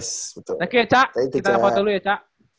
yes betul thank you ca kita nge upload dulu ya ca